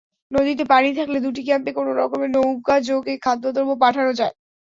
নদীতে পানি থাকলে দুটি ক্যাম্পে কোনো রকমে নৌকাযোগে খাদ্যদ্রব্য পাঠানো যায়।